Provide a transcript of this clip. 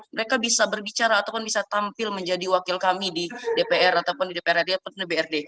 mereka bisa berbicara ataupun bisa tampil menjadi wakil kami di dpr ataupun di dprd ataupun dprd